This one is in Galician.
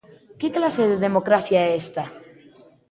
¿Que clase de democracia é esta?